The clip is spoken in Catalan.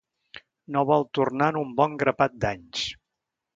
No vol tornar en un bon grapat d'anys.